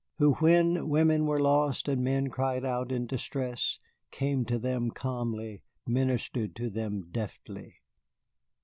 Who, when women were lost and men cried out in distress, came to them calmly, ministered to them deftly.